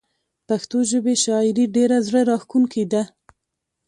پښتو ژبې شاعري ډيره زړه راښکونکي ده